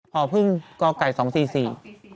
พอพึ่งก่อไก่สองสี่สี่